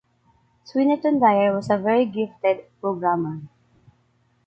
Swinnerton-Dyer was a very gifted programmer.